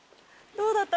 どうだった？